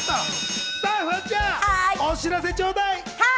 フワちゃん、お知らせをちょうだい！